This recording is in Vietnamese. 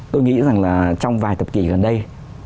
tôi nghĩ rằng là trong vài thập kỷ gần đây